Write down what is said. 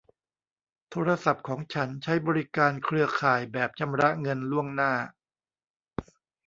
โทรศัพท์ของฉันใช้บริการเครือข่ายแบบชำระเงินล่วงหน้า